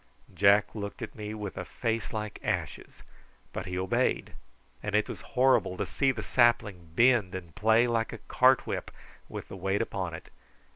Jack looked at me with a face like ashes; but he obeyed, and it was horrible to see the sapling bend and play like a cart whip with the weight upon it.